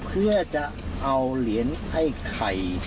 เพื่อจะเอาเหรียญให้ไข่